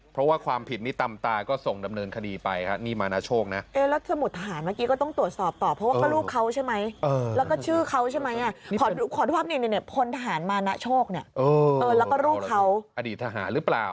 เพราะว่าความผิดนี้ตำตาก็ส่งดำเนินคดีไปข้า